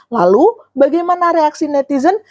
lalu bagaimana reaksi netizen